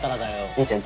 兄ちゃん